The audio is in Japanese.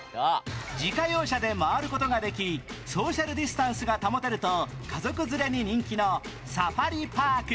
自家用車で回る事ができソーシャルディスタンスが保てると家族連れに人気のサファリパーク